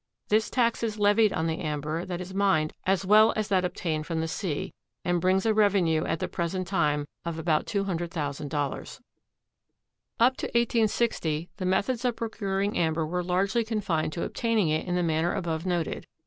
This tax is levied on the amber that is mined as well as that obtained from the sea and brings a revenue at the present time of about $200,000. Up to 1860 the methods of procuring amber were largely confined to obtaining it in the manner above noted.